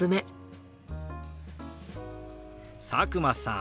佐久間さん